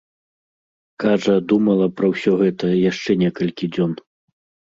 Кажа, думала пра ўсё гэта яшчэ некалькі дзён.